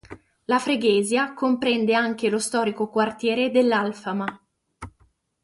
La freguesia comprende anche lo storico quartiere dell'Alfama.